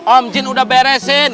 om jin udah beresin